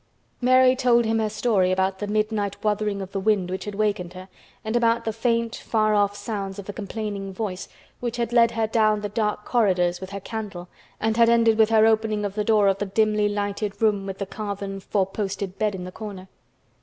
Mary told him her story about the midnight wuthering of the wind which had wakened her and about the faint far off sounds of the complaining voice which had led her down the dark corridors with her candle and had ended with her opening of the door of the dimly lighted room with the carven four posted bed in the corner.